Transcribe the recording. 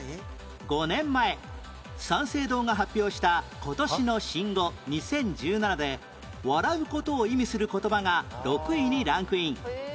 ５年前三省堂が発表した「今年の新語２０１７」で笑う事を意味する言葉が６位にランクイン